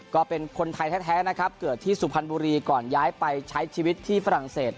ก็เป็นคนไทยแท้นะครับเกิดที่สุพรรณบุรีก่อนย้ายไปใช้ชีวิตที่ฝรั่งเศส